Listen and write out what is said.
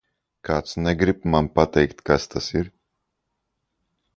Kāds negrib man pateikt, kas tas ir?